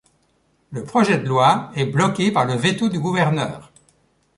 Le projet de loi est bloqué par le veto du gouverneur.